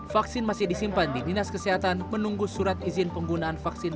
vaksin masih disimpan di dinas kesehatan menunggu surat izin penggunaan vaksin